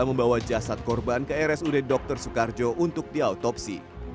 membawa jasad korban ke rsud dr soekarjo untuk diautopsi